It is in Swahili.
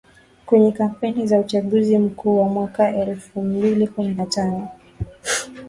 Kwenye kampeni za Uchaguzi Mkuu wa mwaka elfu mbili kumi na tano